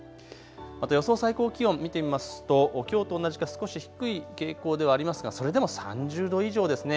また予想最高気温、見てみますときょうと同じか少し低い傾向ではありますがそれでも３０度以上ですね。